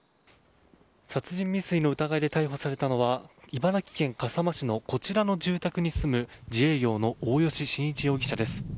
殺人未遂の疑いで逮捕されたのは茨城県笠間市のこちらの住宅に住む自営業の大吉伸一容疑者です。